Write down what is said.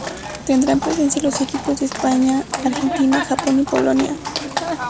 Tendrán presencia los equipo de España, Argentina, Japón y Polonia.